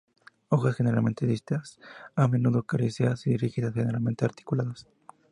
Hojas generalmente dísticas, a menudo coriáceas y rígidas, generalmente articuladas.